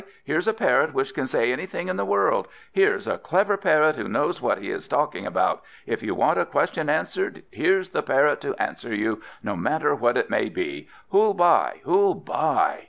here's a Parrot which can say anything in the world! Here's a clever Parrot who knows what he is talking about! If you want a question answered here's the Parrot to answer you, no matter what it may be! Who'll buy, who'll buy?"